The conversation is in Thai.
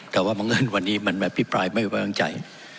แต่ว่าบังเอิญวันนี้มันมาพิปรายไม่ไว้วางใจ